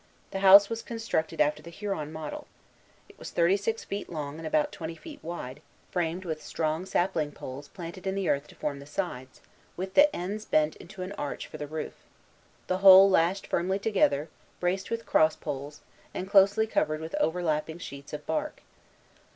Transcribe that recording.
The house was constructed after the Huron model. It was thirty six feet long and about twenty feet wide, framed with strong sapling poles planted in the earth to form the sides, with the ends bent into an arch for the roof, the whole lashed firmly together, braced with cross poles, and closely covered with overlapping sheets of bark.